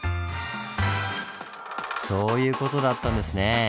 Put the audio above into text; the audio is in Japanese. そういう事だったんですね！